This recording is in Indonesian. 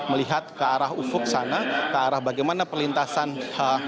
melihat ke arah ufuk sana ke arah bagaimana perlintasan